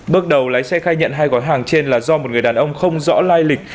bước đầu lái xe khai nhận hai gói hàng trên là do một người đàn ông không rõ lai lịch